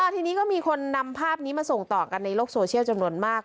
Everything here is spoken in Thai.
ทีนี้ก็มีคนนำภาพนี้มาส่งต่อกันในโลกโซเชียลจำนวนมาก